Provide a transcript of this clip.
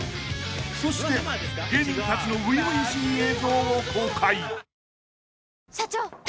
［そして芸人たちの初々しい映像を公開］